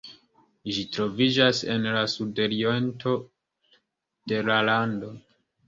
Ĝi troviĝas en la sudoriento de la lando.